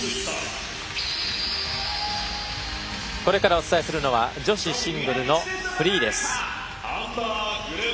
これからお伝えするのは女子シングルのフリーです。